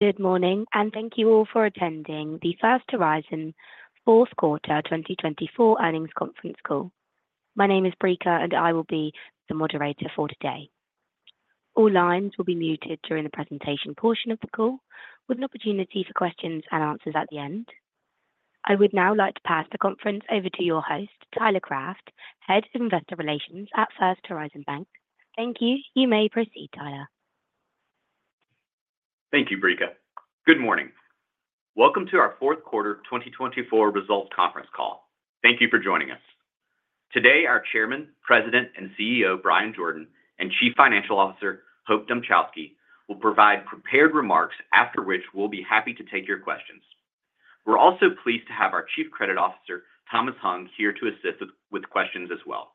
Good morning, and thank you all for attending the First Horizon, Fourth Quarter 2024 earnings conference call. My name is Brika, and I will be the moderator for today. All lines will be muted during the presentation portion of the call, with an opportunity for questions and answers at the end. I would now like to pass the conference over to your host, Tyler Craft, Head of Investor Relations at First Horizon Bank. Thank you. You may proceed, Tyler. Thank you, Brika. Good morning. Welcome to our Fourth Quarter 2024 Results Conference Call. Thank you for joining us. Today, our Chairman, President, and CEO, Bryan Jordan, and Chief Financial Officer, Hope Dmuchowski, will provide prepared remarks, after which we'll be happy to take your questions. We're also pleased to have our Chief Credit Officer, Thomas Hung, here to assist with questions as well.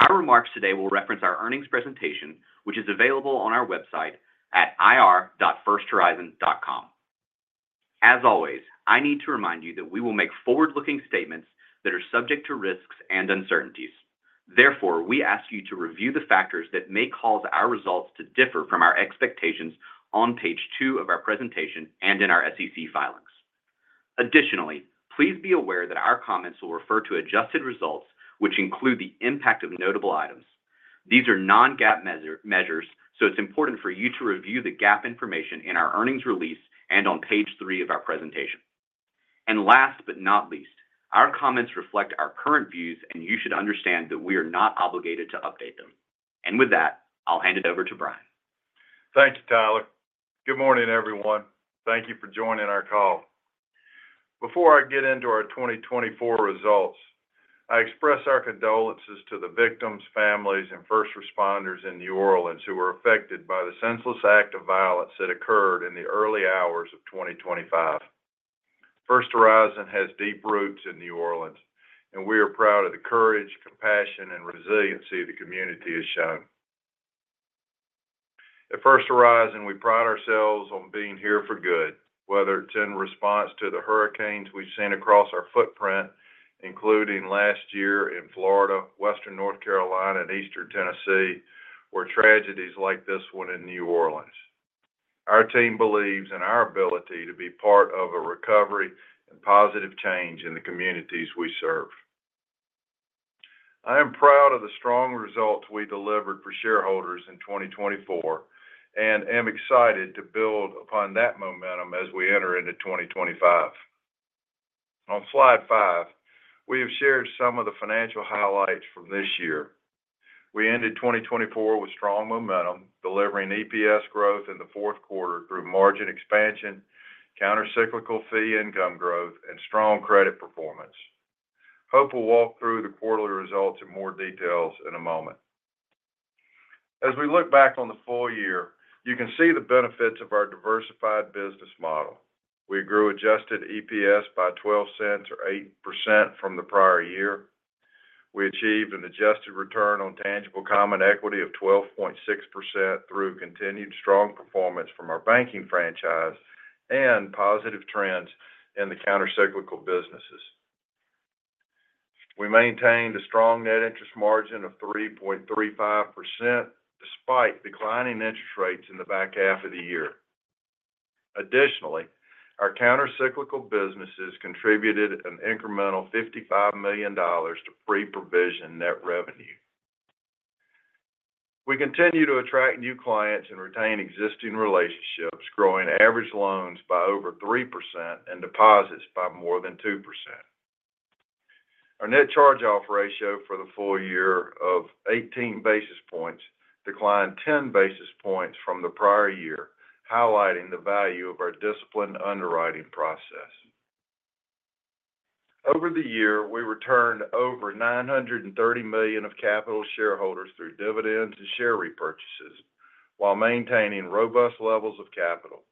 Our remarks today will reference our earnings presentation, which is available on our website at ir.firsthorizon.com. As always, I need to remind you that we will make forward-looking statements that are subject to risks and uncertainties. Therefore, we ask you to review the factors that may cause our results to differ from our expectations on page two of our presentation and in our SEC filings. Additionally, please be aware that our comments will refer to adjusted results, which include the impact of notable items. These are non-GAAP measures, so it's important for you to review the GAAP information in our earnings release and on page three of our presentation. And last but not least, our comments reflect our current views, and you should understand that we are not obligated to update them. And with that, I'll hand it over to Bryan. Thank you, Tyler. Good morning, everyone. Thank you for joining our call. Before I get into our 2024 results, I express our condolences to the victims, families, and first responders in New Orleans who were affected by the senseless act of violence that occurred in the early hours of 2025. First Horizon has deep roots in New Orleans, and we are proud of the courage, compassion, and resiliency the community has shown. At First Horizon, we pride ourselves on being here for good, whether it's in response to the hurricanes we've seen across our footprint, including last year in Florida, Western North Carolina, and Eastern Tennessee, or tragedies like this one in New Orleans. Our team believes in our ability to be part of a recovery and positive change in the communities we serve. I am proud of the strong results we delivered for shareholders in 2024 and am excited to build upon that momentum as we enter into 2025. On slide five, we have shared some of the financial highlights from this year. We ended 2024 with strong momentum, delivering EPS growth in the fourth quarter through margin expansion, countercyclical fee income growth, and strong credit performance. Hope will walk through the quarterly results in more details in a moment. As we look back on the full year, you can see the benefits of our diversified business model. We grew adjusted EPS by $0.12 or 8% from the prior year. We achieved an adjusted return on tangible common equity of 12.6% through continued strong performance from our banking franchise and positive trends in the countercyclical businesses. We maintained a strong net interest margin of 3.35% despite declining interest rates in the back half of the year. Additionally, our countercyclical businesses contributed an incremental $55 million to pre-provision net revenue. We continue to attract new clients and retain existing relationships, growing average loans by over 3% and deposits by more than 2%. Our net charge-off ratio for the full year of 18 basis points declined 10 basis points from the prior year, highlighting the value of our disciplined underwriting process. Over the year, we returned over $930 million of capital to shareholders through dividends and share repurchases, while maintaining robust levels of capital.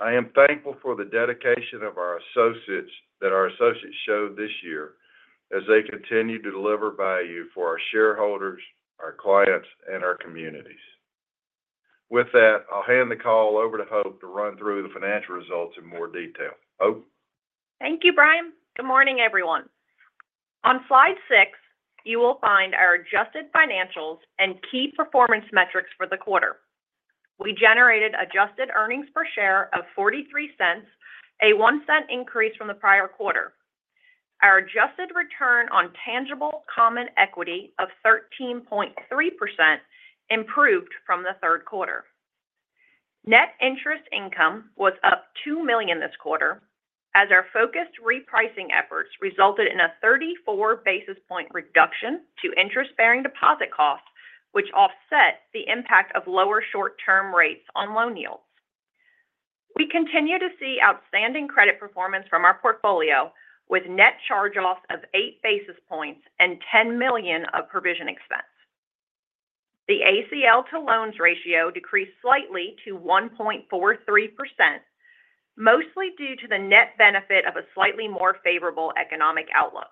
I am thankful for the dedication that our associates showed this year as they continue to deliver value for our shareholders, our clients, and our communities. With that, I'll hand the call over to Hope to run through the financial results in more detail. Hope. Thank you, Bryan. Good morning, everyone. On slide six, you will find our adjusted financials and key performance metrics for the quarter. We generated adjusted earnings per share of $0.43, a $0.01 increase from the prior quarter. Our adjusted return on tangible common equity of 13.3% improved from the third quarter. Net interest income was up $2 million this quarter as our focused repricing efforts resulted in a 34 basis point reduction to interest-bearing deposit costs, which offset the impact of lower short-term rates on loan yields. We continue to see outstanding credit performance from our portfolio with net charge-off of 8 basis points and $10 million of provision expense. The ACL to loans ratio decreased slightly to 1.43%, mostly due to the net benefit of a slightly more favorable economic outlook.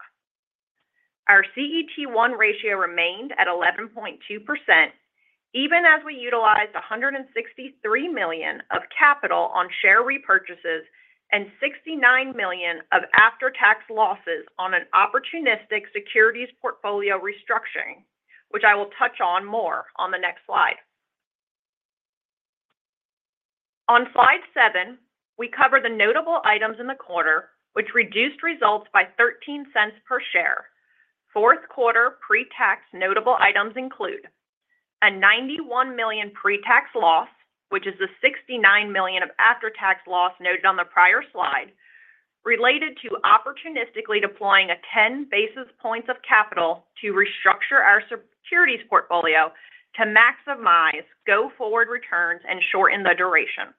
Our CET1 ratio remained at 11.2%, even as we utilized $163 million of capital on share repurchases and $69 million of after-tax losses on an opportunistic securities portfolio restructuring, which I will touch on more on the next slide. On slide seven, we cover the notable items in the quarter, which reduced results by $0.13 per share. Fourth quarter pre-tax notable items include a $91 million pre-tax loss, which is the $69 million of after-tax loss noted on the prior slide, related to opportunistically deploying a 10 basis points of capital to restructure our securities portfolio to maximize go forward returns and shorten the duration.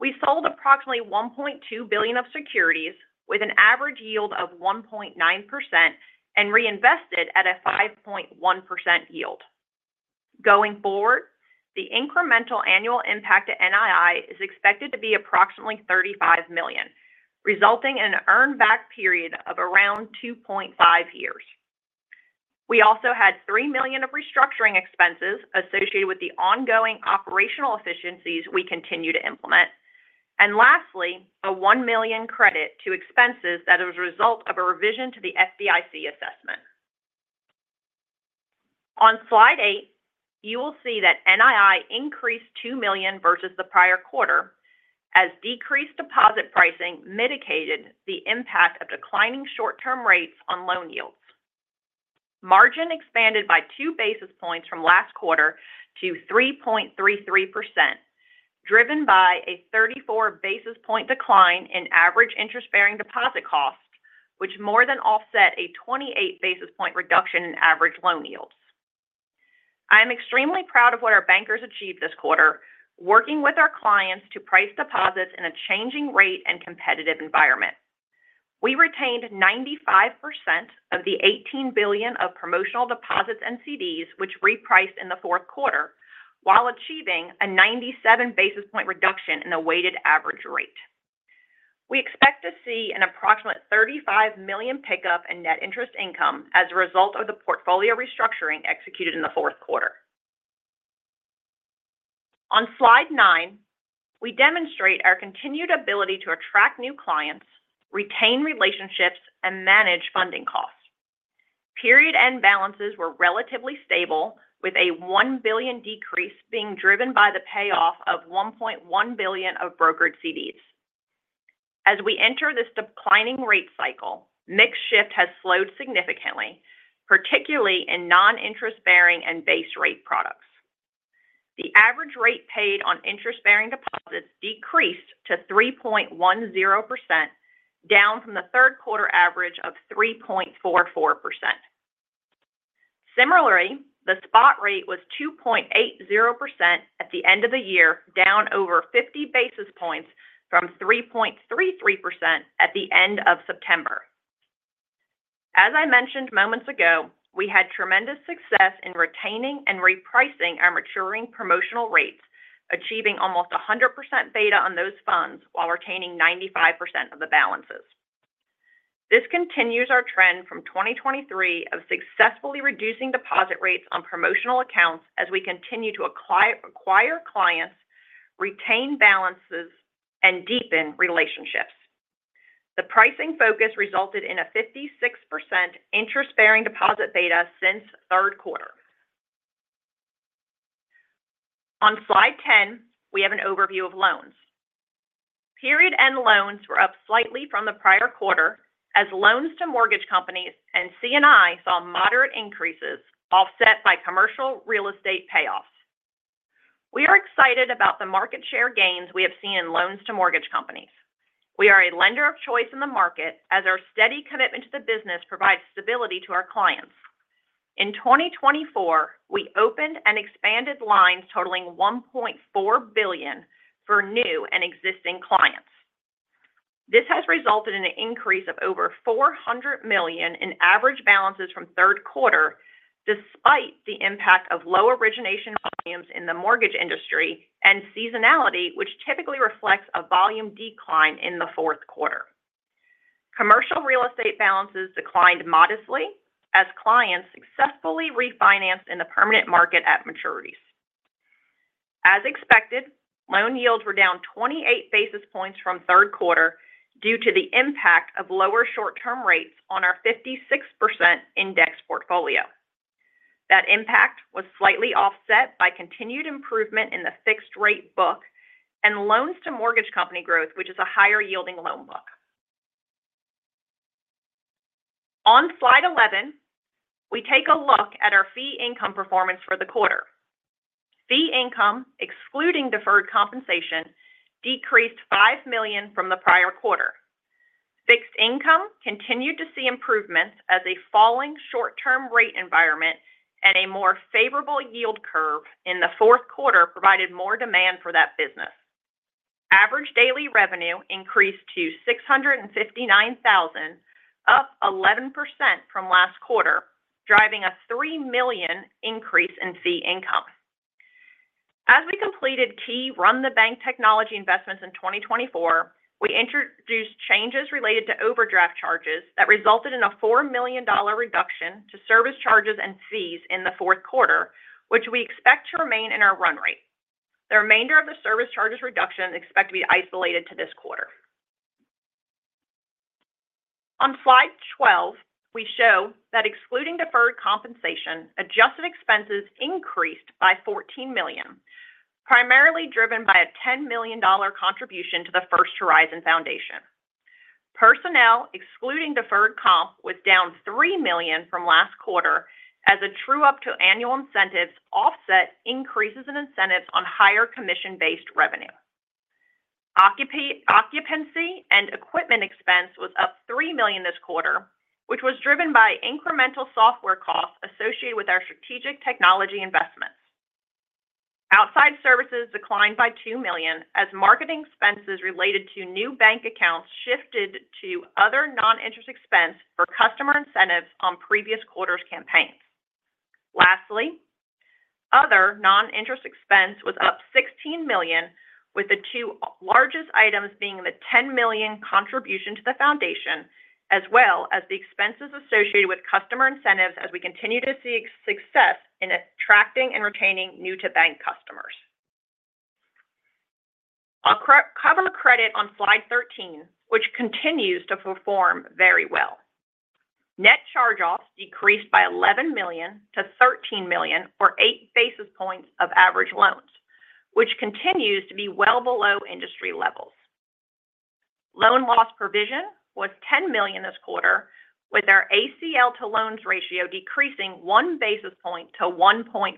We sold approximately $1.2 billion of securities with an average yield of 1.9% and reinvested at a 5.1% yield. Going forward, the incremental annual impact to NII is expected to be approximately $35 million, resulting in an earnback period of around 2.5 years. We also had $3 million of restructuring expenses associated with the ongoing operational efficiencies we continue to implement. And lastly, a $1 million credit to expenses that is a result of a revision to the FDIC assessment. On slide eight, you will see that NII increased $2 million versus the prior quarter as decreased deposit pricing mitigated the impact of declining short-term rates on loan yields. Margin expanded by 2 basis points from last quarter to 3.33%, driven by a 34 basis point decline in average interest-bearing deposit costs, which more than offset a 28 basis point reduction in average loan yields. I am extremely proud of what our bankers achieved this quarter, working with our clients to price deposits in a changing rate and competitive environment. We retained 95% of the $18 billion of promotional deposits and CDs, which repriced in the fourth quarter, while achieving a 97 basis point reduction in the weighted average rate. We expect to see an approximate $35 million pickup in net interest income as a result of the portfolio restructuring executed in the fourth quarter. On slide nine, we demonstrate our continued ability to attract new clients, retain relationships, and manage funding costs. Period end balances were relatively stable, with a $1 billion decrease being driven by the payoff of $1.1 billion of brokered CDs. As we enter this declining rate cycle, mix shift has slowed significantly, particularly in non-interest-bearing and base rate products. The average rate paid on interest-bearing deposits decreased to 3.10%, down from the third quarter average of 3.44%. Similarly, the spot rate was 2.80% at the end of the year, down over 50 basis points from 3.33% at the end of September. As I mentioned moments ago, we had tremendous success in retaining and repricing our maturing promotional rates, achieving almost 100% beta on those funds while retaining 95% of the balances. This continues our trend from 2023 of successfully reducing deposit rates on promotional accounts as we continue to acquire clients, retain balances, and deepen relationships. The pricing focus resulted in a 56% interest-bearing deposit beta since third quarter. On slide 10, we have an overview of loans. Period-end loans were up slightly from the prior quarter as loans to mortgage companies and C&I saw moderate increases offset by commercial real estate payoffs. We are excited about the market share gains we have seen in loans to mortgage companies. We are a lender of choice in the market as our steady commitment to the business provides stability to our clients. In 2024, we opened and expanded lines totaling $1.4 billion for new and existing clients. This has resulted in an increase of over $400 million in average balances from third quarter, despite the impact of low origination volumes in the mortgage industry and seasonality, which typically reflects a volume decline in the fourth quarter. Commercial real estate balances declined modestly as clients successfully refinanced in the permanent market at maturities. As expected, loan yields were down 28 basis points from third quarter due to the impact of lower short-term rates on our 56% index portfolio. That impact was slightly offset by continued improvement in the fixed rate book and loans to mortgage companies growth, which is a higher yielding loan book. On slide 11, we take a look at our fee income performance for the quarter. Fee income, excluding deferred compensation, decreased $5 million from the prior quarter. Fixed income continued to see improvements as a falling short-term rate environment and a more favorable yield curve in the fourth quarter provided more demand for that business. Average daily revenue increased to $659,000, up 11% from last quarter, driving a $3 million increase in fee income. As we completed key run-the-bank technology investments in 2024, we introduced changes related to overdraft charges that resulted in a $4 million reduction to service charges and fees in the fourth quarter, which we expect to remain in our run rate. The remainder of the service charges reduction is expected to be isolated to this quarter. On slide 12, we show that excluding deferred compensation, adjusted expenses increased by $14 million, primarily driven by a $10 million contribution to the First Horizon Foundation. Personnel, excluding deferred comp, was down $3 million from last quarter as a true-up to annual incentives offset increases in incentives on higher commission-based revenue. Occupancy and equipment expense was up $3 million this quarter, which was driven by incremental software costs associated with our strategic technology investments. Outside services declined by $2 million as marketing expenses related to new bank accounts shifted to other non-interest expense for customer incentives on previous quarter's campaigns. Lastly, other non-interest expense was up $16 million, with the two largest items being the $10 million contribution to the foundation, as well as the expenses associated with customer incentives as we continue to see success in attracting and retaining new-to-bank customers. I'll cover credit on slide 13, which continues to perform very well. Net charge-off decreased by $11 million to $13 million for eight basis points of average loans, which continues to be well below industry levels. Loan loss provision was $10 million this quarter, with our ACL to loans ratio decreasing one basis point to 1.43%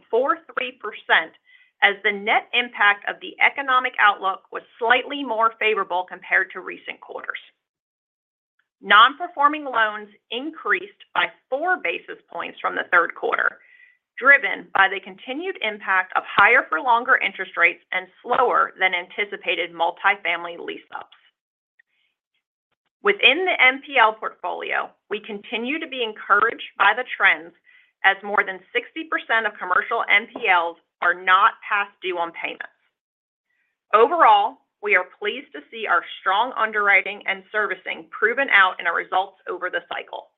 as the net impact of the economic outlook was slightly more favorable compared to recent quarters. Non-performing loans increased by four basis points from the third quarter, driven by the continued impact of higher-for-longer interest rates and slower than anticipated multifamily lease-ups. Within the NPL portfolio, we continue to be encouraged by the trends as more than 60% of commercial NPLs are not past due on payments. Overall, we are pleased to see our strong underwriting and servicing proven out in our results over the cycle.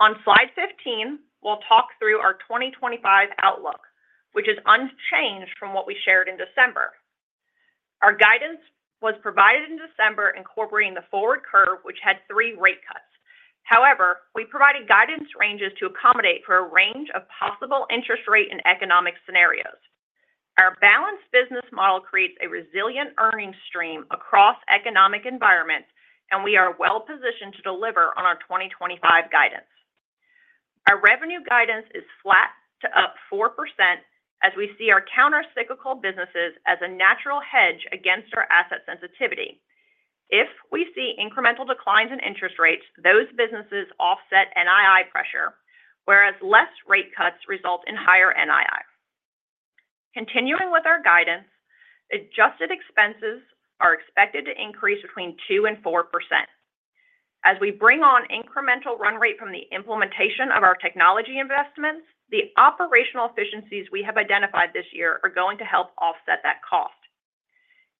On slide 15, we'll talk through our 2025 outlook, which is unchanged from what we shared in December. Our guidance was provided in December, incorporating the forward curve, which had three rate cuts. However, we provided guidance ranges to accommodate for a range of possible interest rate and economic scenarios. Our balanced business model creates a resilient earnings stream across economic environments, and we are well-positioned to deliver on our 2025 guidance. Our revenue guidance is flat to up 4% as we see our countercyclical businesses as a natural hedge against our asset sensitivity. If we see incremental declines in interest rates, those businesses offset NII pressure, whereas less rate cuts result in higher NII. Continuing with our guidance, adjusted expenses are expected to increase between 2% and 4%. As we bring on incremental run rate from the implementation of our technology investments, the operational efficiencies we have identified this year are going to help offset that cost.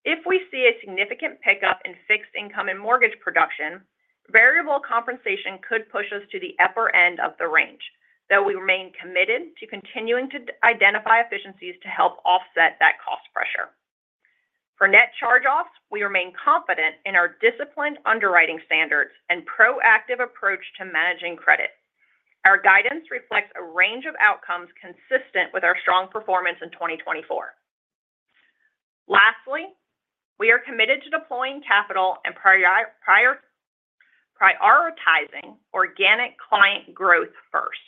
If we see a significant pickup in fixed income and mortgage production, variable compensation could push us to the upper end of the range, though we remain committed to continuing to identify efficiencies to help offset that cost pressure. For net charge-offs, we remain confident in our disciplined underwriting standards and proactive approach to managing credit. Our guidance reflects a range of outcomes consistent with our strong performance in 2024. Lastly, we are committed to deploying capital and prioritizing organic client growth first,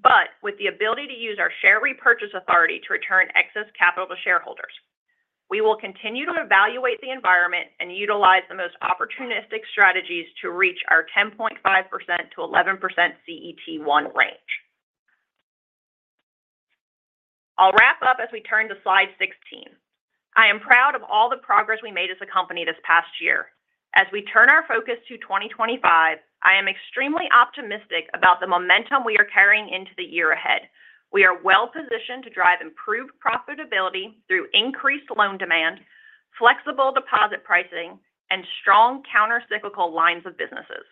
but with the ability to use our share repurchase authority to return excess capital to shareholders. We will continue to evaluate the environment and utilize the most opportunistic strategies to reach our 10.5%-11% CET1 range. I'll wrap up as we turn to slide 16. I am proud of all the progress we made as a company this past year. As we turn our focus to 2025, I am extremely optimistic about the momentum we are carrying into the year ahead. We are well-positioned to drive improved profitability through increased loan demand, flexible deposit pricing, and strong countercyclical lines of businesses.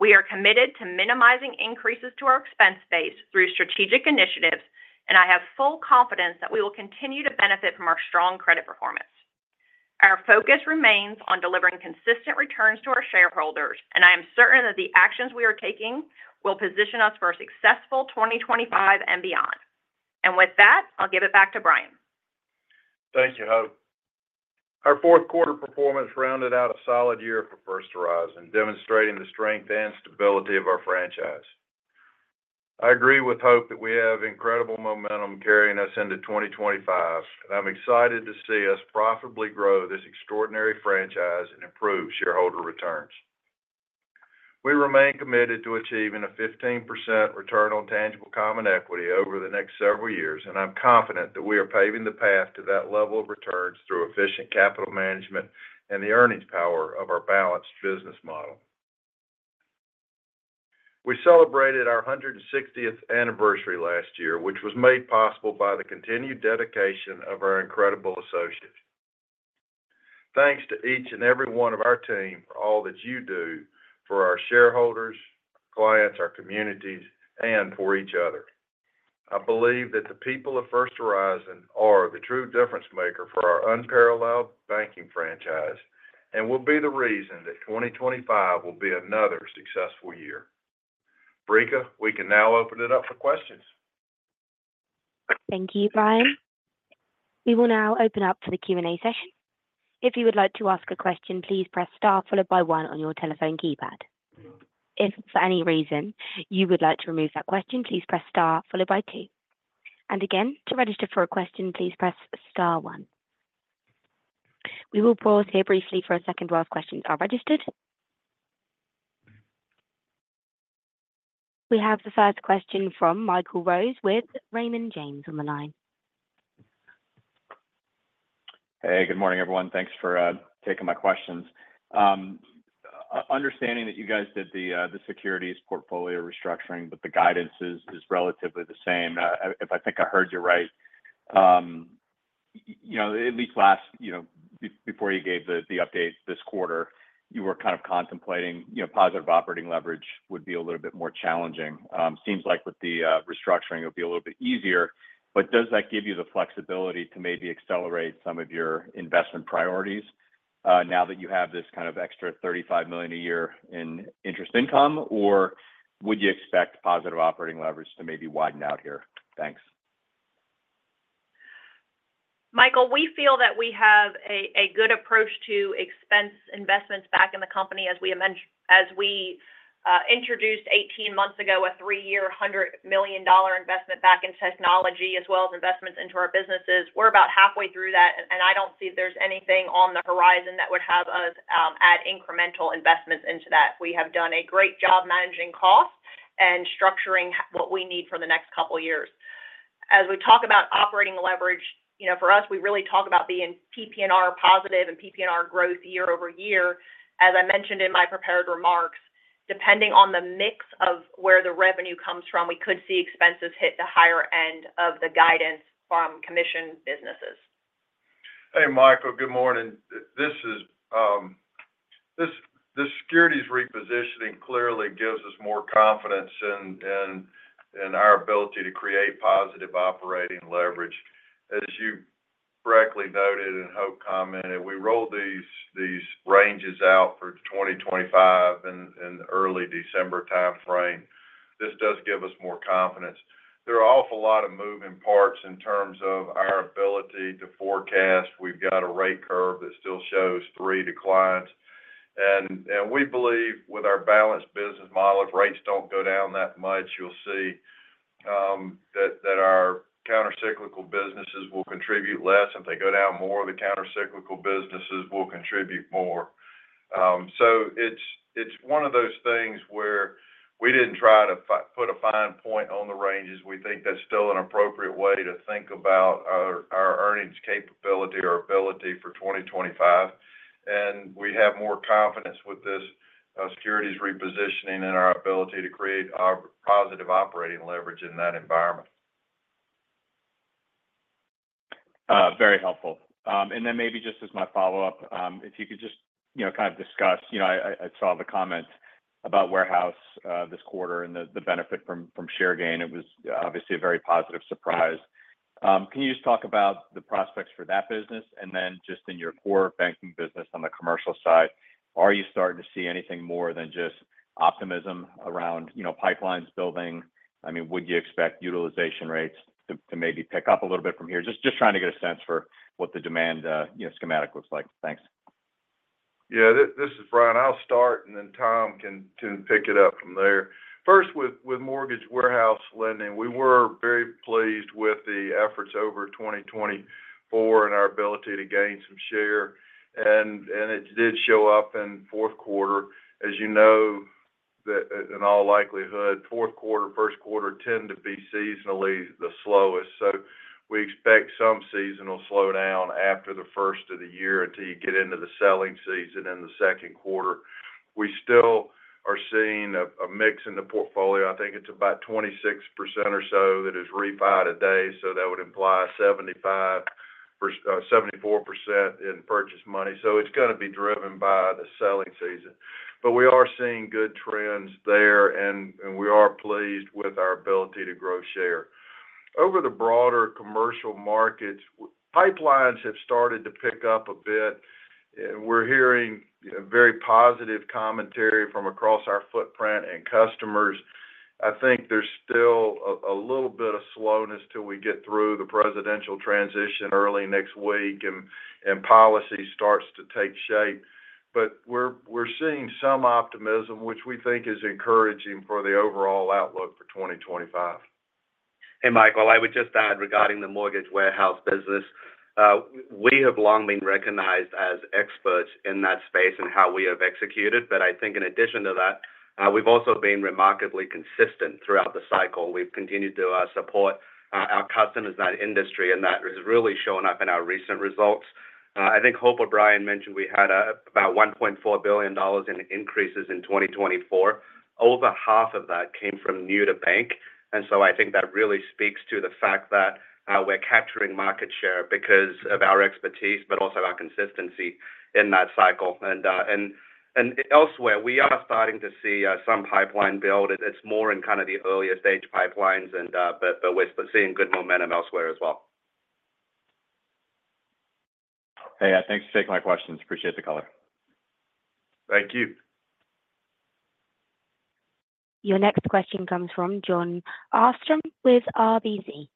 We are committed to minimizing increases to our expense base through strategic initiatives, and I have full confidence that we will continue to benefit from our strong credit performance. Our focus remains on delivering consistent returns to our shareholders, and I am certain that the actions we are taking will position us for a successful 2025 and beyond. And with that, I'll give it back to Bryan. Thank you, Hope. Our fourth quarter performance rounded out a solid year for First Horizon, demonstrating the strength and stability of our franchise. I agree with Hope that we have incredible momentum carrying us into 2025, and I'm excited to see us profitably grow this extraordinary franchise and improve shareholder returns. We remain committed to achieving a 15% return on tangible common equity over the next several years, and I'm confident that we are paving the path to that level of returns through efficient capital management and the earnings power of our balanced business model. We celebrated our 160th anniversary last year, which was made possible by the continued dedication of our incredible associates. Thanks to each and every one of our team for all that you do for our shareholders, our clients, our communities, and for each other. I believe that the people of First Horizon are the true difference maker for our unparalleled banking franchise and will be the reason that 2025 will be another successful year. Brika, we can now open it up for questions. Thank you, Bryan. We will now open up to the Q&A session. If you would like to ask a question, please press star followed by one on your telephone keypad. If for any reason you would like to remove that question, please press star followed by two. And again, to register for a question, please press star one. We will pause here briefly for a second while questions are registered. We have the first question from Michael Rose with Raymond James on the line. Hey, good morning, everyone. Thanks for taking my questions. Understanding that you guys did the securities portfolio restructuring, but the guidance is relatively the same. I think I heard you right. At least last, before you gave the update this quarter, you were kind of contemplating positive operating leverage would be a little bit more challenging. Seems like with the restructuring, it would be a little bit easier, but does that give you the flexibility to maybe accelerate some of your investment priorities now that you have this kind of extra $35 million a year in interest income, or would you expect positive operating leverage to maybe widen out here? Thanks. Michael, we feel that we have a good approach to expense investments back in the company as we introduced 18 months ago a three-year $100 million investment back in technology, as well as investments into our businesses. We're about halfway through that, and I don't see there's anything on the horizon that would have us add incremental investments into that. We have done a great job managing costs and structuring what we need for the next couple of years. As we talk about operating leverage, for us, we really talk about being PPNR positive and PPNR growth year over year. As I mentioned in my prepared remarks, depending on the mix of where the revenue comes from, we could see expenses hit the higher end of the guidance from commissioned businesses. Hey, Michael, good morning. The securities repositioning clearly gives us more confidence in our ability to create positive operating leverage. As you correctly noted and Hope commented, we rolled these ranges out for 2025 in the early December timeframe. This does give us more confidence. There are an awful lot of moving parts in terms of our ability to forecast. We've got a rate curve that still shows three declines. And we believe with our balanced business model, if rates don't go down that much, you'll see that our countercyclical businesses will contribute less. If they go down more, the countercyclical businesses will contribute more. So it's one of those things where we didn't try to put a fine point on the ranges. We think that's still an appropriate way to think about our earnings capability, our ability for 2025. And we have more confidence with this securities repositioning and our ability to create positive operating leverage in that environment. Very helpful. And then maybe just as my follow-up, if you could just kind of discuss, I saw the comments about warehouse this quarter and the benefit from share gain. It was obviously a very positive surprise. Can you just talk about the prospects for that business? And then, just in your core banking business on the commercial side, are you starting to see anything more than just optimism around pipelines building? I mean, would you expect utilization rates to maybe pick up a little bit from here? Just trying to get a sense for what the demand schematic looks like. Thanks. Yeah, this is Bryan. I'll start, and then Tom can pick it up from there. First, with mortgage warehouse lending, we were very pleased with the efforts over 2024 and our ability to gain some share. And it did show up in fourth quarter. As you know, in all likelihood, fourth quarter, first quarter tend to be seasonally the slowest. So we expect some seasonal slowdown after the first of the year until you get into the selling season in the second quarter. We still are seeing a mix in the portfolio. I think it's about 26% or so that is refi today. So that would imply 74% in purchase money. So it's going to be driven by the selling season. But we are seeing good trends there, and we are pleased with our ability to grow share. Over the broader commercial markets, pipelines have started to pick up a bit. And we're hearing very positive commentary from across our footprint and customers. I think there's still a little bit of slowness till we get through the presidential transition early next week and policy starts to take shape. But we're seeing some optimism, which we think is encouraging for the overall outlook for 2025. Hey, Michael, I would just add regarding the mortgage warehouse business. We have long been recognized as experts in that space and how we have executed. But I think in addition to that, we've also been remarkably consistent throughout the cycle. We've continued to support our customers in that industry, and that is really showing up in our recent results. I think Hope or Bryan mentioned we had about $1.4 billion in increases in 2024. Over half of that came from New to Bank. And so I think that really speaks to the fact that we're capturing market share because of our expertise, but also our consistency in that cycle. And elsewhere, we are starting to see some pipeline build. It's more in kind of the earliest stage pipelines, but we're seeing good momentum elsewhere as well. Hey, thanks for taking my questions. Appreciate the color. Thank you. Your next question comes from Jon Arfstrom with RBC.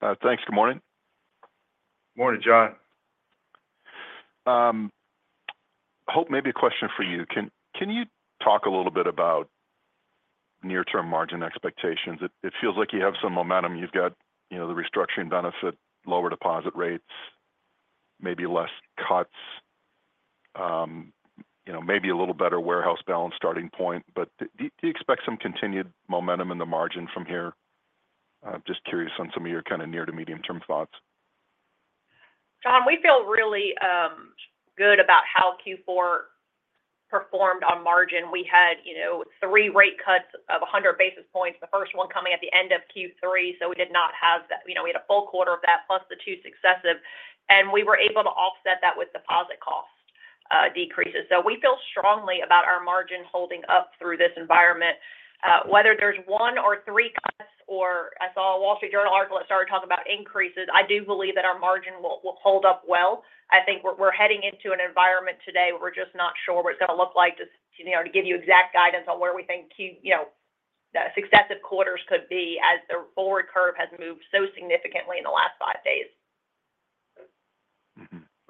Thanks. Good morning. Morning, Jon. Hope, maybe a question for you. Can you talk a little bit about near-term margin expectations? It feels like you have some momentum. You've got the restructuring benefit, lower deposit rates, maybe less cuts, maybe a little better warehouse balance starting point. But do you expect some continued momentum in the margin from here? I'm just curious on some of your kind of near-to-medium-term thoughts. Jon, we feel really good about how Q4 performed on margin. We had three rate cuts of 100 basis points, the first one coming at the end of Q3. So we did not have that. We had a full quarter of that plus the two successive. And we were able to offset that with deposit cost decreases. So we feel strongly about our margin holding up through this environment. Whether there's one or three cuts or I saw a Wall Street Journal article that started talking about increases, I do believe that our margin will hold up well. I think we're heading into an environment today where we're just not sure what it's going to look like to give you exact guidance on where we think successive quarters could be as the forward curve has moved so significantly in the last five days.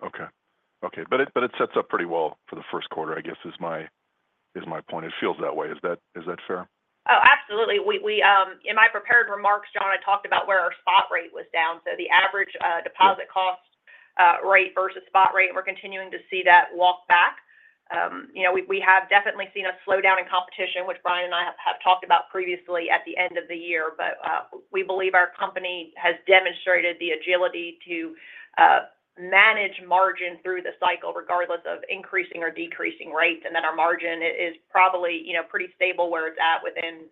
Okay. Okay. But it sets up pretty well for the first quarter, I guess, is my point. It feels that way. Is that fair? Oh, absolutely. In my prepared remarks, John, I talked about where our spot rate was down. So the average deposit cost rate versus spot rate, we're continuing to see that walk back. We have definitely seen a slowdown in competition, which Bryan and I have talked about previously at the end of the year. But we believe our company has demonstrated the agility to manage margin through the cycle regardless of increasing or decreasing rates. And then our margin is probably pretty stable where it's at within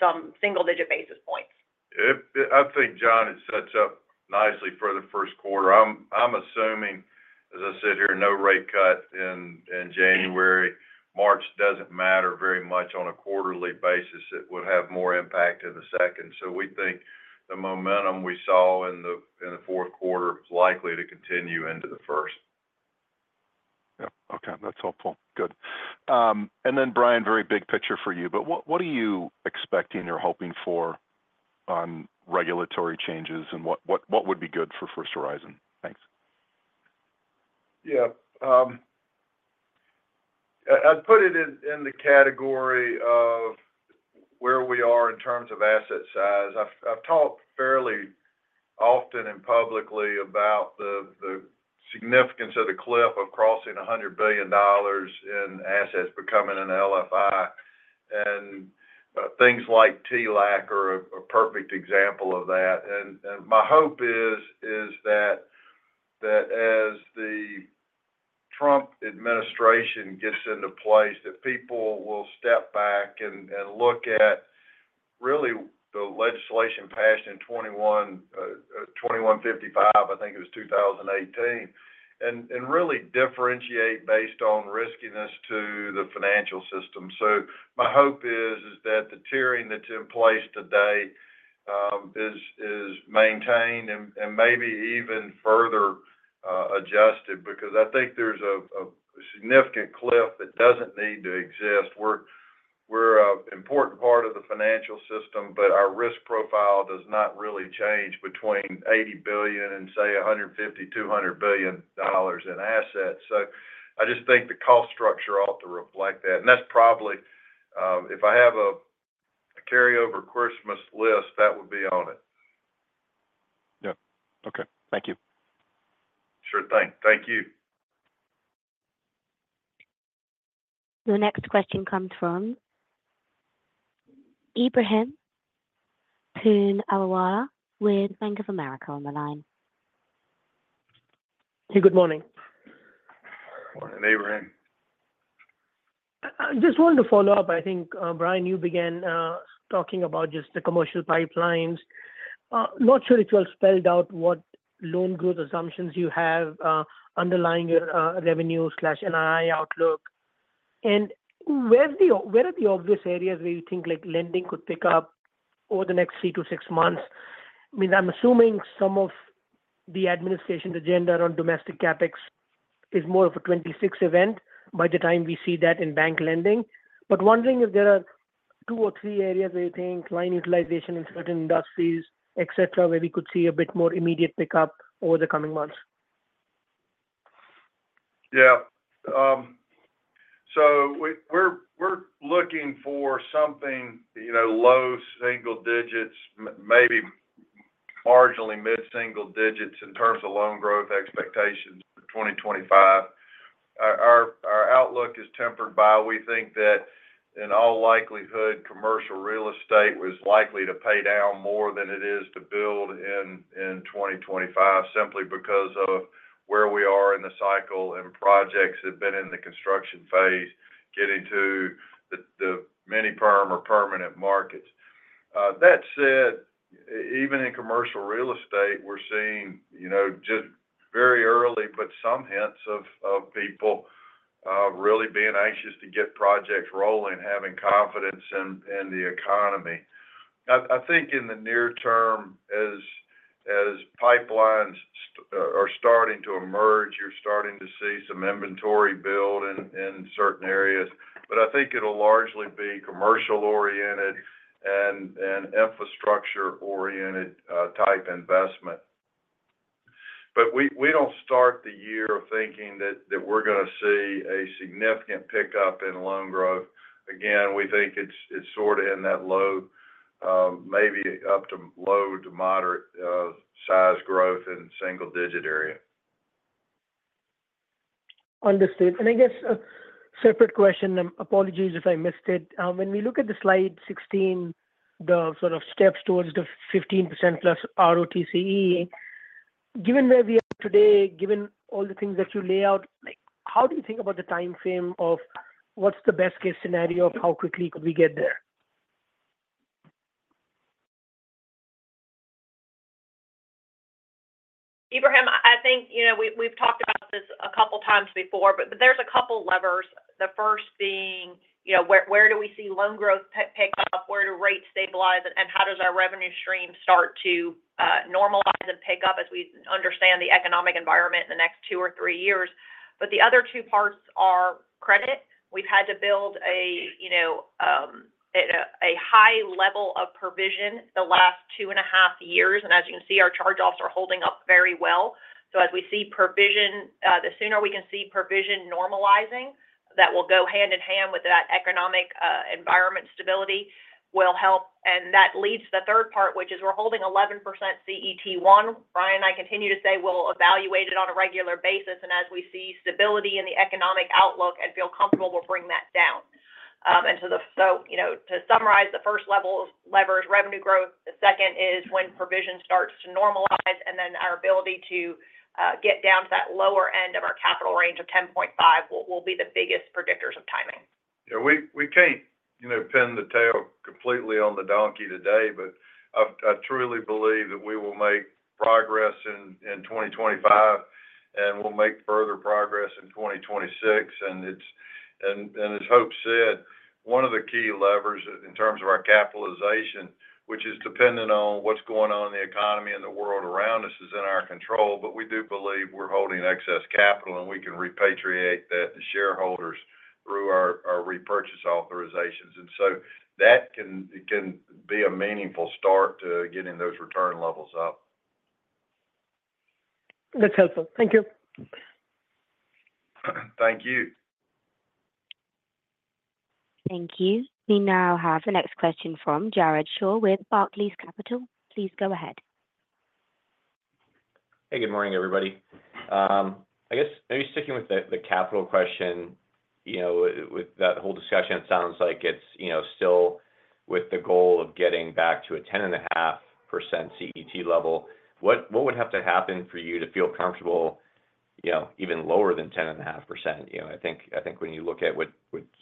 some single-digit basis points. I think, Jon, it sets up nicely for the first quarter. I'm assuming, as I said here, no rate cut in January. March doesn't matter very much on a quarterly basis. It would have more impact in the second. So we think the momentum we saw in the fourth quarter is likely to continue into the first. Okay. That's helpful. Good. And then, Bryan, very big picture for you. But what are you expecting or hoping for on regulatory changes and what would be good for First Horizon? Thanks. Yeah. I'd put it in the category of where we are in terms of asset size. I've talked fairly often and publicly about the significance of the cliff of crossing $100 billion in assets becoming an LFI. And things like TLAC are a perfect example of that. And my hope is that as the Trump administration gets into place, that people will step back and look at really the legislation passed in 2155, I think it was 2018, and really differentiate based on riskiness to the financial system. So my hope is that the tiering that's in place today is maintained and maybe even further adjusted because I think there's a significant cliff that doesn't need to exist. We're an important part of the financial system, but our risk profile does not really change between $80 billion and, say, $150, $200 billion in assets. So I just think the cost structure ought to reflect that. And that's probably, if I have a carryover Christmas list, that would be on it. Yeah. Okay. Thank you. Sure thing. Thank you. The next question comes from Ebrahim Poonawala with Bank of America on the line. Hey, good morning. Morning, Ebrahim. Just wanted to follow up. I think, Bryan, you began talking about just the commercial pipelines. Not sure if you all spelled out what loan growth assumptions you have underlying your revenue/NII outlook. And where are the obvious areas where you think lending could pick up over the next three to six months? I mean, I'm assuming some of the administration's agenda around domestic CapEx is more of a 2026 event by the time we see that in bank lending. But wondering if there are two or three areas where you think line utilization in certain industries, etc., where we could see a bit more immediate pickup over the coming months. Yeah, so we're looking for something low single digits, maybe marginally mid-single digits in terms of loan growth expectations for 2025. Our outlook is tempered by we think that in all likelihood, commercial real estate was likely to pay down more than it is to build in 2025 simply because of where we are in the cycle and projects that have been in the construction phase getting to the mini-perm or permanent markets. That said, even in commercial real estate, we're seeing just very early, but some hints of people really being anxious to get projects rolling, having confidence in the economy. I think in the near term, as pipelines are starting to emerge, you're starting to see some inventory build in certain areas. But I think it'll largely be commercial-oriented and infrastructure-oriented type investment. But we don't start the year thinking that we're going to see a significant pickup in loan growth. Again, we think it's sort of in that low, maybe up to low to moderate size growth in single-digit area. Understood. And I guess a separate question, and apologies if I missed it. When we look at the slide 16, the sort of steps towards the 15% plus ROTCE, given where we are today, given all the things that you lay out, how do you think about the timeframe of what's the best-case scenario of how quickly could we get there? Ebrahim, I think we've talked about this a couple of times before, but there's a couple of levers. The first being, where do we see loan growth pick up, where do rates stabilize, and how does our revenue stream start to normalize and pick up as we understand the economic environment in the next two or three years? But the other two parts are credit. We've had to build a high level of provision the last two and a half years. And as you can see, our charge-offs are holding up very well. So as we see provision, the sooner we can see provision normalizing, that will go hand in hand with that economic environment stability will help. And that leads to the third part, which is we're holding 11% CET1. Bryan and I continue to say we'll evaluate it on a regular basis. And as we see stability in the economic outlook and feel comfortable, we'll bring that down. And so to summarize, the first level is revenue growth. The second is when provision starts to normalize. And then our ability to get down to that lower end of our capital range of 10.5 will be the biggest predictors of timing. Yeah. We can't pin the tail completely on the donkey today, but I truly believe that we will make progress in 2025, and we'll make further progress in 2026. And as Hope said, one of the key levers in terms of our capitalization, which is dependent on what's going on in the economy and the world around us, is in our control. But we do believe we're holding excess capital, and we can repatriate that to shareholders through our repurchase authorizations. And so that can be a meaningful start to getting those return levels up. That's helpful. Thank you. Thank you. Thank you. We now have the next question from Jared Shaw with Barclays Capital. Please go ahead. Hey, good morning, everybody. I guess maybe sticking with the capital question, with that whole discussion, it sounds like it's still with the goal of getting back to a 10.5% CET1 level. What would have to happen for you to feel comfortable even lower than 10.5%? I think when you look at what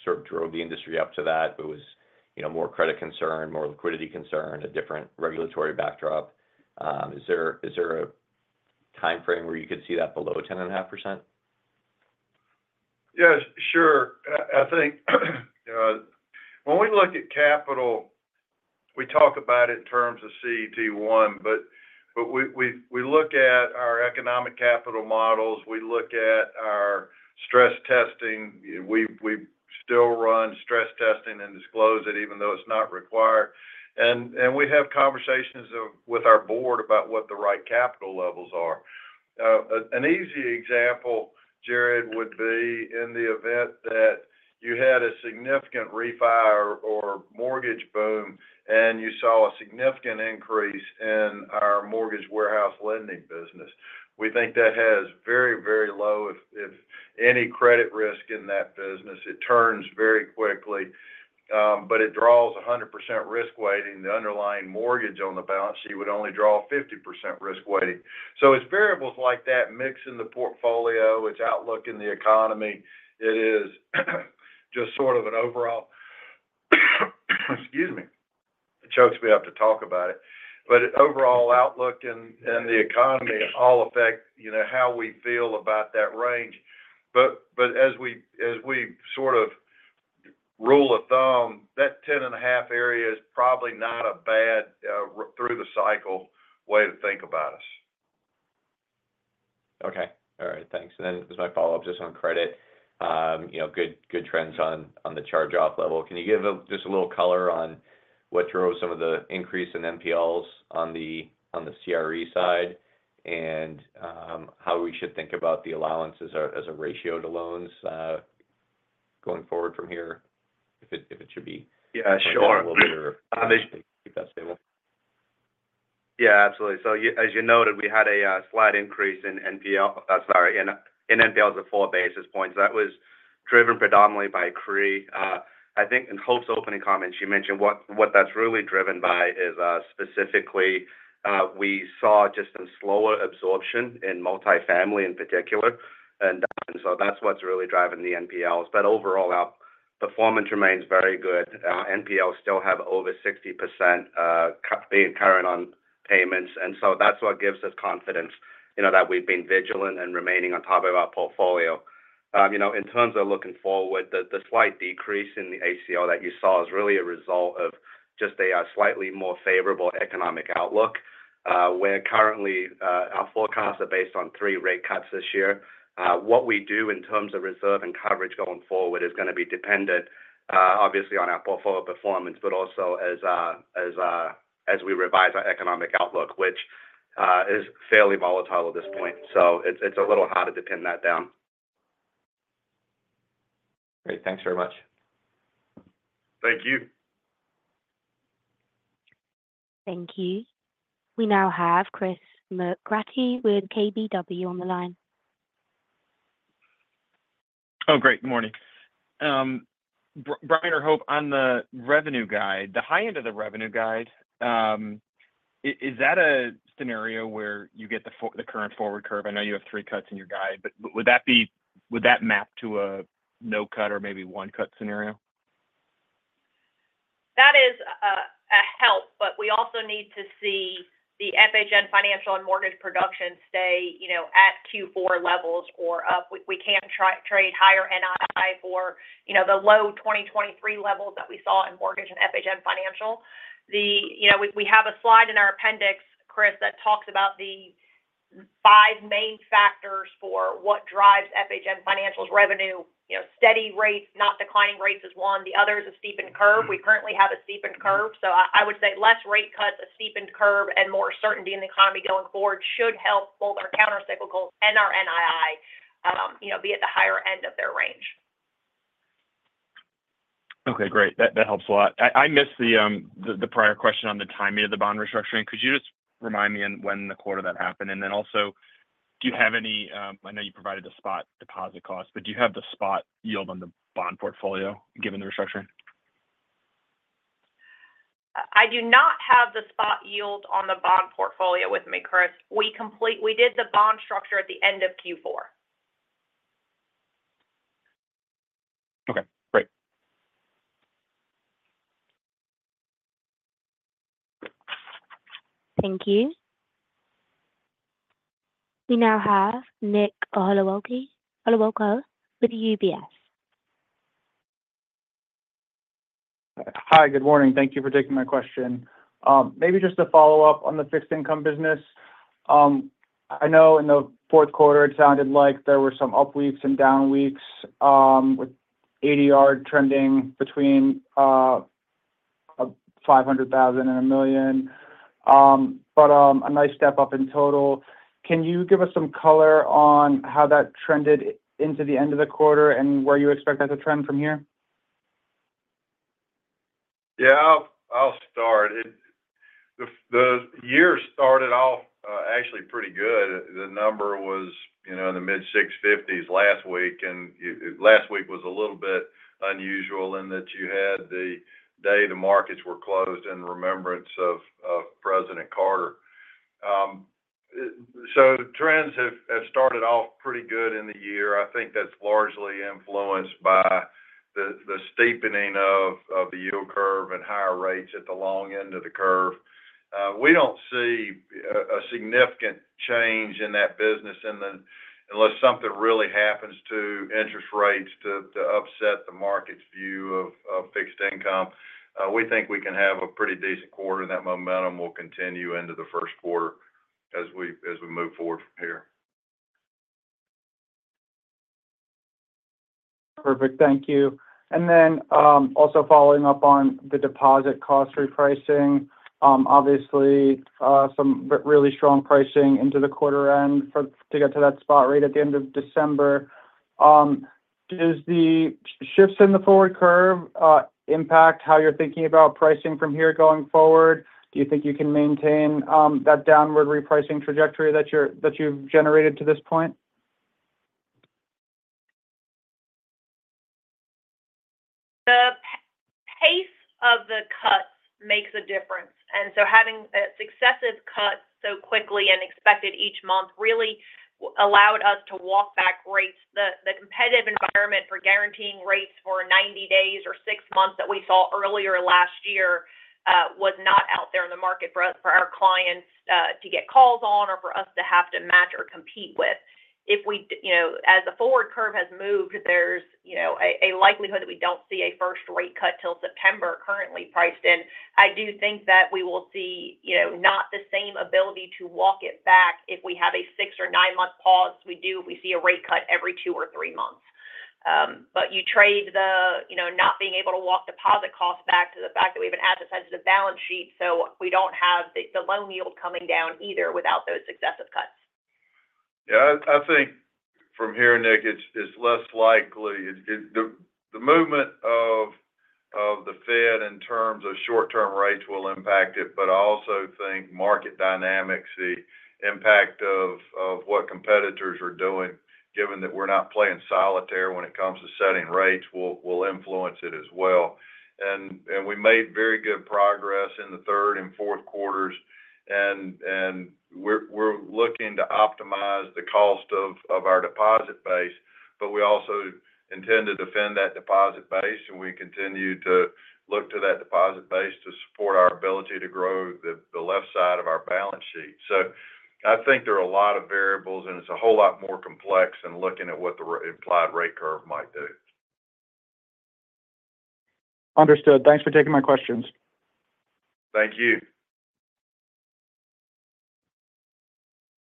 sort of drove the industry up to that, it was more credit concern, more liquidity concern, a different regulatory backdrop. Is there a timeframe where you could see that below 10.5%? Yeah. Sure. I think when we look at capital, we talk about it in terms of CET1, but we look at our economic capital models. We look at our stress testing. We still run stress testing and disclose it even though it's not required. We have conversations with our board about what the right capital levels are. An easy example, Jared, would be in the event that you had a significant refi or mortgage boom, and you saw a significant increase in our mortgage warehouse lending business. We think that has very, very low, if any, credit risk in that business. It turns very quickly, but it draws 100% risk weighting. The underlying mortgage on the balance sheet would only draw 50% risk weighting. So it's variables like that mix in the portfolio, its outlook in the economy. It is just sort of an overall, excuse me. It chokes me up to talk about it. But overall outlook in the economy all affect how we feel about that range. But as we sort of rule of thumb, that 10.5 area is probably not a bad through-the-cycle way to think about us. Okay. All right. Thanks. Then as my follow-up, just on credit, good trends on the charge-off level. Can you give just a little color on what drove some of the increase in NPLs on the CRE side and how we should think about the allowances as a ratio to loans going forward from here if it should be a little bit or keep that stable? Yeah. Absolutely. So as you noted, we had a slight increase in NPL, sorry, in NPLs of four basis points. That was driven predominantly by CRE. I think in Hope's opening comments, she mentioned what that's really driven by is specifically we saw just a slower absorption in multifamily in particular. And so that's what's really driving the NPLs. But overall, our performance remains very good. NPLs still have over 60% being current on payments. And so that's what gives us confidence that we've been vigilant and remaining on top of our portfolio. In terms of looking forward, the slight decrease in the ACL that you saw is really a result of just a slightly more favorable economic outlook. Currently, our forecasts are based on three rate cuts this year. What we do in terms of reserve and coverage going forward is going to be dependent, obviously, on our portfolio performance, but also as we revise our economic outlook, which is fairly volatile at this point. So it's a little hard to pin that down. Great. Thanks very much. Thank you. Thank you. We now have Chris McGratty with KBW on the line. Oh, great. Good morning. Bryan or Hope, on the revenue guide, the high end of the revenue guide, is that a scenario where you get the current forward curve? I know you have three cuts in your guide, but would that map to a no-cut or maybe one-cut scenario? That is a help, but we also need to see the FHN Financial and Mortgage Production stay at Q4 levels or up. We can't trade higher NII for the low 2023 levels that we saw in mortgage and FHN Financial. We have a slide in our appendix, Chris, that talks about the five main factors for what drives FHN Financial's revenue. Steady rates, not declining rates is one. The other is a steepened curve. We currently have a steepened curve. So I would say less rate cuts, a steepened curve, and more certainty in the economy going forward should help both our countercyclicals and our NII be at the higher end of their range. Okay. Great. That helps a lot. I missed the prior question on the timing of the bond restructuring. Could you just remind me when the quarter that happened? And then also, do you have any? I know you provided a spot deposit cost, but do you have the spot yield on the bond portfolio given the restructuring? I do not have the spot yield on the bond portfolio with me, Chris. We did the bond structure at the end of Q4. Okay. Great. Thank you. We now have Nick Olowolka with UBS. Hi. Good morning. Thank you for taking my question. Maybe just to follow up on the fixed income business. I know in the fourth quarter, it sounded like there were some upweeks and downweeks with ADR trending between 500,000 and a million, but a nice step up in total. Can you give us some color on how that trended into the end of the quarter and where you expect that to trend from here? Yeah. I'll start. The year started off actually pretty good. The number was in the mid-650s last week. And last week was a little bit unusual in that you had the day the markets were closed in remembrance of President Carter. So trends have started off pretty good in the year. I think that's largely influenced by the steepening of the yield curve and higher rates at the long end of the curve. We don't see a significant change in that business unless something really happens to interest rates to upset the market's view of fixed income. We think we can have a pretty decent quarter, and that momentum will continue into the first quarter as we move forward from here. Perfect. Thank you. And then also following up on the deposit cost repricing, obviously, some really strong pricing into the quarter end to get to that spot rate at the end of December. Does the shifts in the forward curve impact how you're thinking about pricing from here going forward? Do you think you can maintain that downward repricing trajectory that you've generated to this point? The pace of the cuts makes a difference. And so having successive cuts so quickly and expected each month really allowed us to walk back rates. The competitive environment for guaranteeing rates for 90 days or six months that we saw earlier last year was not out there in the market for our clients to get calls on or for us to have to match or compete with. If we, as the forward curve has moved, there's a likelihood that we don't see a first rate cut till September currently priced in. I do think that we will see not the same ability to walk it back if we have a six or nine-month pause we do if we see a rate cut every two or three months. But you trade the not being able to walk deposit costs back to the fact that we have an asset-sensitive balance sheet, so we don't have the loan yield coming down either without those successive cuts. Yeah. I think from here, Nick, it's less likely. The movement of the Fed in terms of short-term rates will impact it, but I also think market dynamics, the impact of what competitors are doing, given that we're not playing solitaire when it comes to setting rates, will influence it as well. And we made very good progress in the third and fourth quarters. And we're looking to optimize the cost of our deposit base, but we also intend to defend that deposit base. And we continue to look to that deposit base to support our ability to grow the left side of our balance sheet. So I think there are a lot of variables, and it's a whole lot more complex than looking at what the implied rate curve might do. Understood. Thanks for taking my questions. Thank you.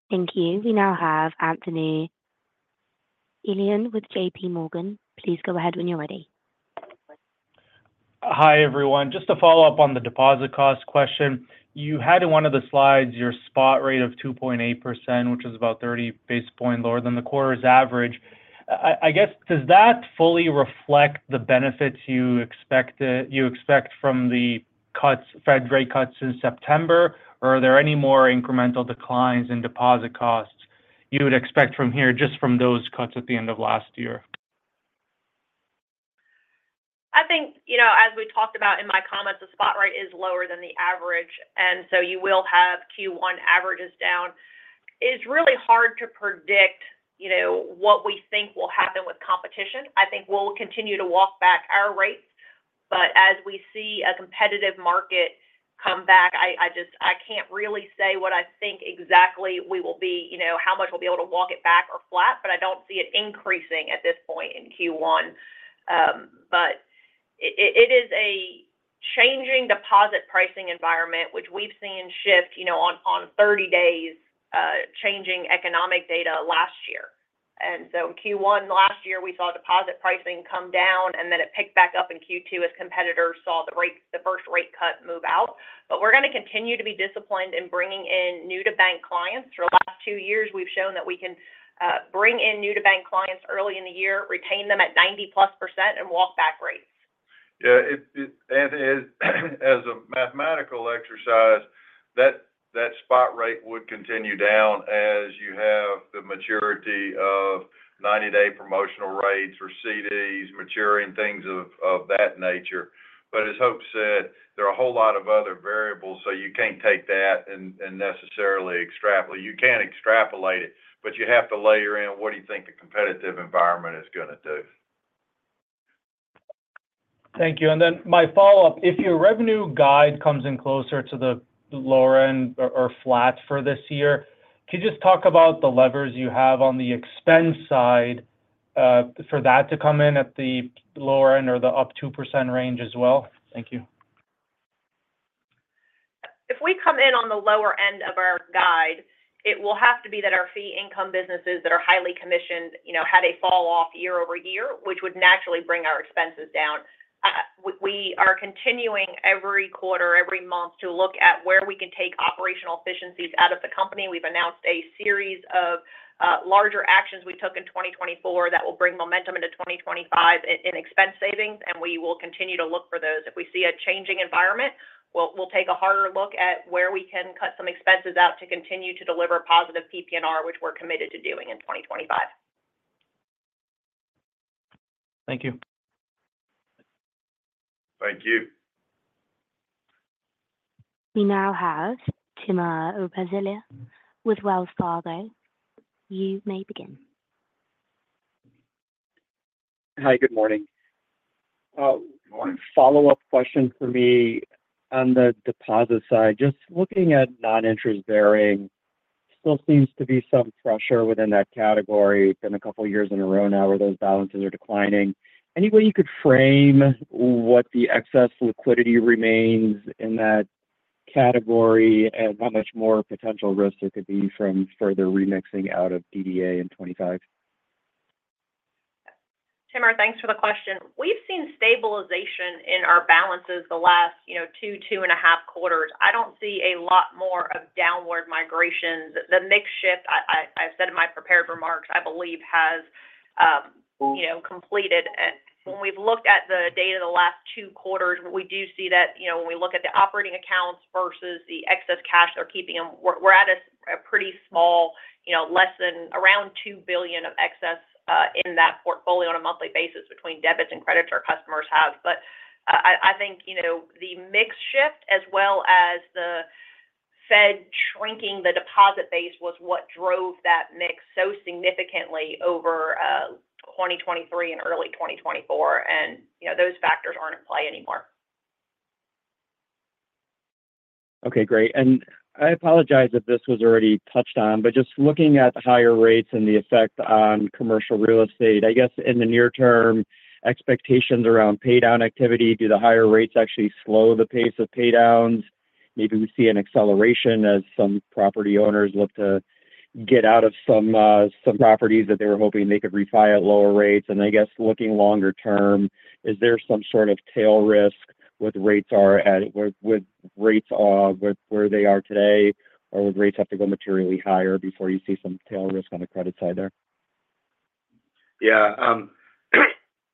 Thank you. We now have Anthony Elian with J.P. Morgan. Please go ahead when you're ready. Hi, everyone. Just to follow up on the deposit cost question. You had in one of the slides your spot rate of 2.8%, which is about 30 basis points lower than the quarter's average. I guess, does that fully reflect the benefits you expect from the Fed rate cuts in September, or are there any more incremental declines in deposit costs you would expect from here just from those cuts at the end of last year? I think, as we talked about in my comments, the spot rate is lower than the average, and so you will have Q1 averages down. It's really hard to predict what we think will happen with competition. I think we'll continue to walk back our rates, but as we see a competitive market come back, I can't really say what I think exactly we will be, how much we'll be able to walk it back or flat, but I don't see it increasing at this point in Q1, but it is a changing deposit pricing environment, which we've seen shift on 30 days changing economic data last year. And so in Q1 last year, we saw deposit pricing come down, and then it picked back up in Q2 as competitors saw the first rate cut move out. But we're going to continue to be disciplined in bringing in new-to-bank clients. For the last two years, we've shown that we can bring in new-to-bank clients early in the year, retain them at 90-plus%, and walk back rates. Yeah. Anthony, as a mathematical exercise, that spot rate would continue down as you have the maturity of 90-day promotional rates or CDs maturing things of that nature. But as Hope said, there are a whole lot of other variables, so you can't take that and necessarily extrapolate. You can extrapolate it, but you have to layer in what do you think the competitive environment is going to do. Thank you. And then my follow-up, if your revenue guide comes in closer to the lower end or flat for this year, could you just talk about the levers you have on the expense side for that to come in at the lower end or the up 2% range as well? Thank you. If we come in on the lower end of our guide, it will have to be that our fee-income businesses that are highly commissioned had a fall-off year over year, which would naturally bring our expenses down. We are continuing every quarter, every month, to look at where we can take operational efficiencies out of the company. We've announced a series of larger actions we took in 2024 that will bring momentum into 2025 in expense savings. And we will continue to look for those. If we see a changing environment, we'll take a harder look at where we can cut some expenses out to continue to deliver positive PPNR, which we're committed to doing in 2025. Thank you. Thank you. We now have Timur Braziler with Wells Fargo. You may begin. Hi. Good morning. Follow-up question for me on the deposit side. Just looking at non-interest-bearing, still seems to be some pressure within that category. It's been a couple of years in a row now where those balances are declining. Any way you could frame what the excess liquidity remains in that category and how much more potential risk there could be from further remixing out of DDA in 2025? Timur, thanks for the question. We've seen stabilization in our balances the last two, two-and-a-half quarters. I don't see a lot more of downward migrations. The mix shift, I've said in my prepared remarks, I believe has completed. When we've looked at the data the last two quarters, we do see that when we look at the operating accounts versus the excess cash they're keeping them, we're at a pretty small, less than around $2 billion of excess in that portfolio on a monthly basis between debits and credits our customers have. But I think the mix shift as well as the Fed shrinking the deposit base was what drove that mix so significantly over 2023 and early 2024. And those factors aren't in play anymore. Okay. Great. And I apologize if this was already touched on, but just looking at the higher rates and the effect on commercial real estate, I guess in the near term, expectations around paydown activity, do the higher rates actually slow the pace of paydowns? Maybe we see an acceleration as some property owners look to get out of some properties that they were hoping they could refi at lower rates. And I guess looking longer term, is there some sort of tail risk with rates where they are today, or would rates have to go materially higher before you see some tail risk on the credit side there? Yeah.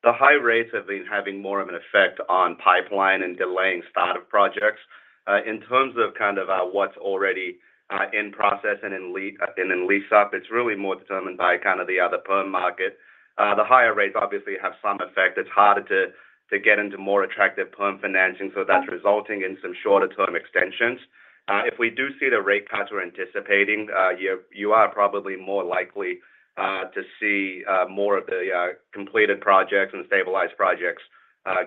The high rates have been having more of an effect on pipeline and delaying startup projects. In terms of kind of what's already in process and in lease-up, it's really more determined by kind of the other perm market. The higher rates obviously have some effect. It's harder to get into more attractive perm financing, so that's resulting in some shorter-term extensions. If we do see the rate cuts we're anticipating, you are probably more likely to see more of the completed projects and stabilized projects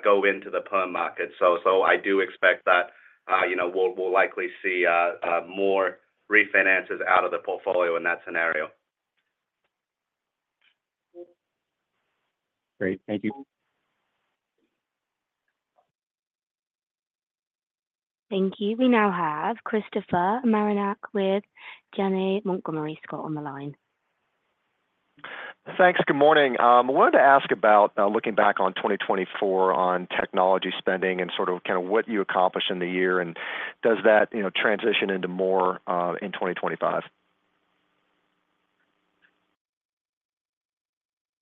go into the perm market. So I do expect that we'll likely see more refinances out of the portfolio in that scenario. Great. Thank you. Thank you. We now have Christopher Marinac with Janney Montgomery Scott on the line. Thanks. Good morning. I wanted to ask about looking back on 2024 on technology spending and sort of kind of what you accomplished in the year, and does that transition into more in 2025?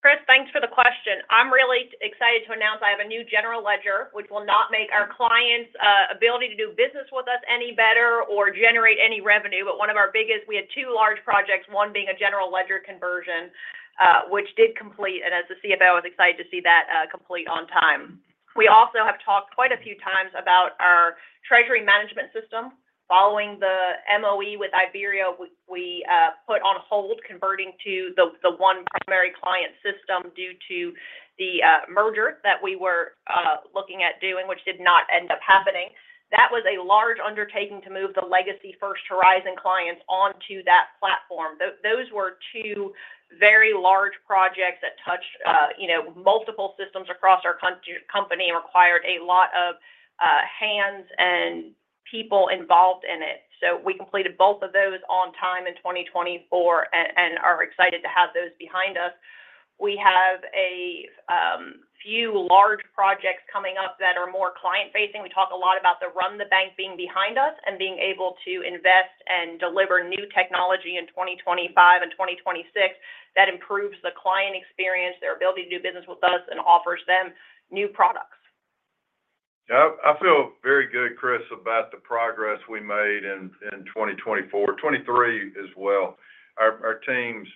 Chris, thanks for the question. I'm really excited to announce I have a new general ledger, which will not make our clients' ability to do business with us any better or generate any revenue. But one of our biggest, we had two large projects, one being a general ledger conversion, which did complete. As the CFO, I was excited to see that complete on time. We also have talked quite a few times about our treasury management system. Following the MOE with Iberia, we put on hold converting to the one primary client system due to the merger that we were looking at doing, which did not end up happening. That was a large undertaking to move the legacy First Horizon clients onto that platform. Those were two very large projects that touched multiple systems across our company and required a lot of hands and people involved in it. We completed both of those on time in 2024 and are excited to have those behind us. We have a few large projects coming up that are more client-facing. We talk a lot about the run the bank being behind us and being able to invest and deliver new technology in 2025 and 2026 that improves the client experience, their ability to do business with us, and offers them new products. Yeah. I feel very good, Chris, about the progress we made in 2024, 23 as well. Our teams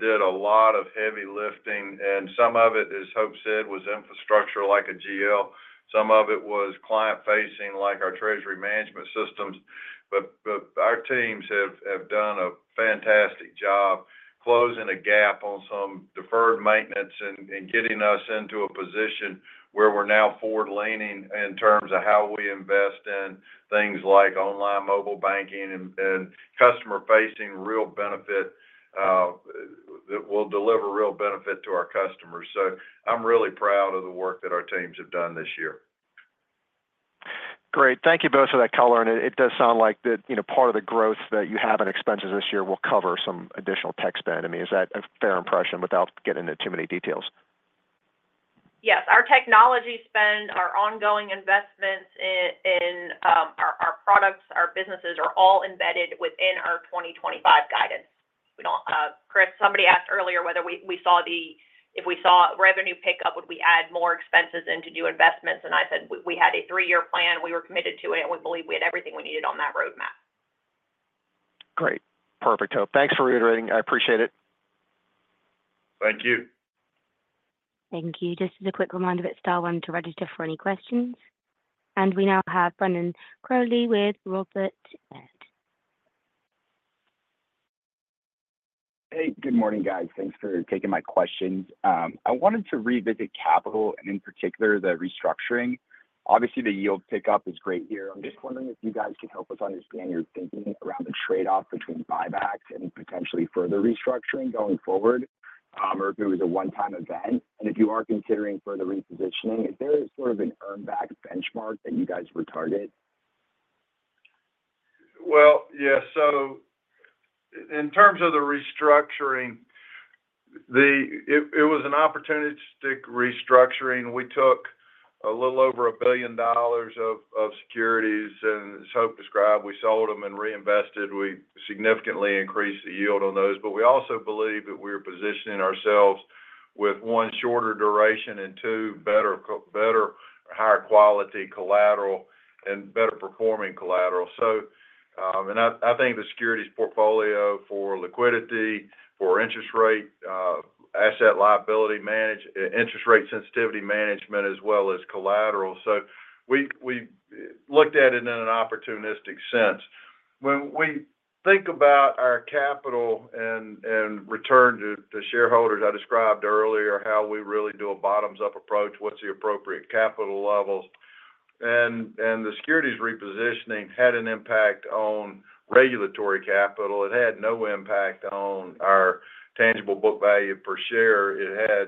did a lot of heavy lifting, and some of it, as Hope said, was infrastructure like a GL. Some of it was client-facing like our treasury management systems. But our teams have done a fantastic job closing a gap on some deferred maintenance and getting us into a position where we're now forward-leaning in terms of how we invest in things like online mobile banking and customer-facing real benefit that will deliver real benefit to our customers. So I'm really proud of the work that our teams have done this year. Great. Thank you both for that color. And it does sound like part of the growth that you have in expenses this year will cover some additional tech spend. I mean, is that a fair impression without getting into too many details? Yes. Our technology spend, our ongoing investments in our products, our businesses are all embedded within our 2025 guidance. Chris, somebody asked earlier whether we saw revenue pick up, would we add more expenses in to do investments? And I said we had a three-year plan. We were committed to it, and we believe we had everything we needed on that roadmap. Great. Perfect, Hope. Thanks for reiterating. I appreciate it. Thank you. Thank you. Just as a quick reminder, it's during to register for any questions. Now have Brendan Crowley with Robert W. Baird & Co. Hey. Good morning, guys. Thanks for taking my questions. I wanted to revisit capital and, in particular, the restructuring. Obviously, the yield pickup is great here. I'm just wondering if you guys could help us understand your thinking around the trade-off between buybacks and potentially further restructuring going forward, or if it was a one-time event. If you are considering further repositioning, is there sort of an earnback benchmark that you guys would target? Yeah. So in terms of the restructuring, it was an opportunistic restructuring. We took a little over $1 billion of securities, and as Hope described, we sold them and reinvested. We significantly increased the yield on those, but we also believe that we're positioning ourselves with, one, shorter duration and, two, better or higher quality collateral and better-performing collateral. I think the securities portfolio for liquidity, for interest rate, asset liability management, interest rate sensitivity management, as well as collateral, so we looked at it in an opportunistic sense. When we think about our capital and return to shareholders, I described earlier how we really do a bottoms-up approach, what's the appropriate capital levels, and the securities repositioning had an impact on regulatory capital. It had no impact on our tangible book value per share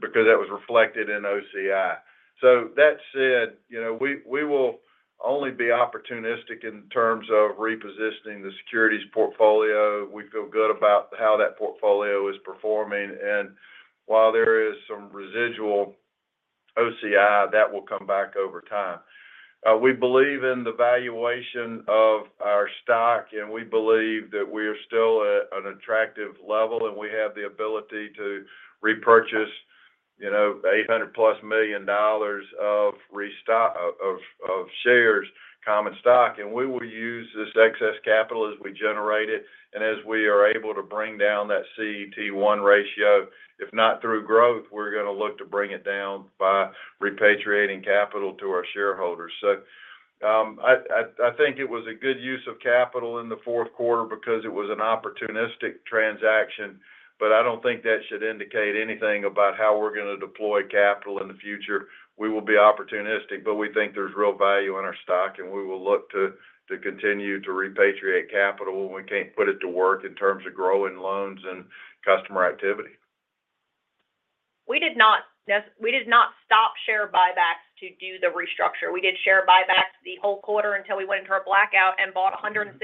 because that was reflected in OCI, so that said, we will only be opportunistic in terms of repositioning the securities portfolio. We feel good about how that portfolio is performing, and while there is some residual OCI, that will come back over time. We believe in the valuation of our stock, and we believe that we are still at an attractive level, and we have the ability to repurchase $800-plus million of shares, common stock. And we will use this excess capital as we generate it. And as we are able to bring down that CET1 ratio, if not through growth, we're going to look to bring it down by repatriating capital to our shareholders. So I think it was a good use of capital in the fourth quarter because it was an opportunistic transaction. But I don't think that should indicate anything about how we're going to deploy capital in the future. We will be opportunistic, but we think there's real value in our stock, and we will look to continue to repatriate capital when we can't put it to work in terms of growing loans and customer activity. We did not stop share buybacks to do the restructure. We did share buybacks the whole quarter until we went into our blackout and bought 163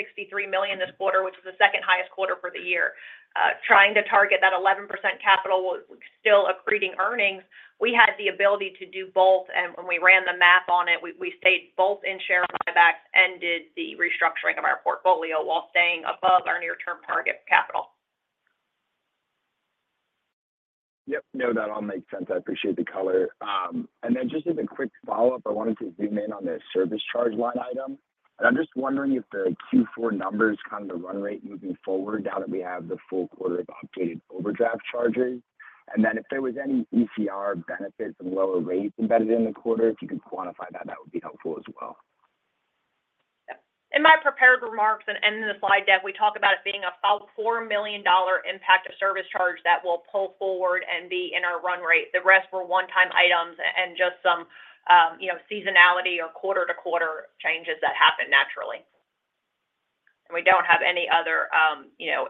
million this quarter, which was the second-highest quarter for the year. Trying to target that 11% capital with still accreting earnings, we had the ability to do both. When we ran the math on it, we stayed both in share buybacks and did the restructuring of our portfolio while staying above our near-term target capital. Yep. No, that all makes sense. I appreciate the color. Then just as a quick follow-up, I wanted to zoom in on the service charge line item. I'm just wondering if the Q4 numbers kind of the run rate moving forward now that we have the full quarter of updated overdraft charges? Then if there was any ECR benefits and lower rates embedded in the quarter, if you could quantify that, that would be helpful as well. In my prepared remarks and in the slide deck, we talk about it being a $4 million impact of service charge that will pull forward and be in our run rate. The rest were one-time items and just some seasonality or quarter-to-quarter changes that happen naturally. We don't have any other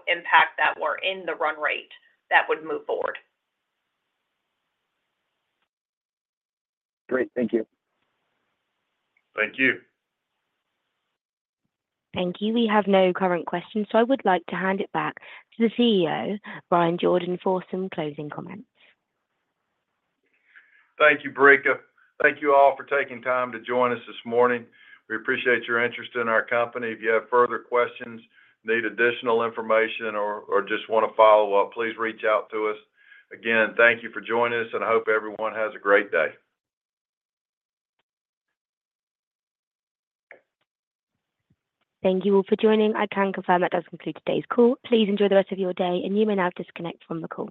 impact that were in the run rate that would move forward. Great. Thank you. Thank you. Thank you. We have no current questions. I would like to hand it back to the CEO, Bryan Jordan, for some closing comments. Thank you, Brika. Thank you all for taking time to join us this morning. We appreciate your interest in our company. If you have further questions, need additional information, or just want to follow up, please reach out to us. Again, thank you for joining us, and I hope everyone has a great day. Thank you all for joining. I can confirm that does conclude today's call. Please enjoy the rest of your day, and you may now disconnect from the call.